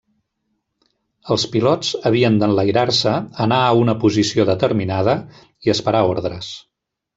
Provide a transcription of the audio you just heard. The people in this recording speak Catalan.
Els pilots havien d'enlairar-se, anar a una posició determinada i esperar ordres.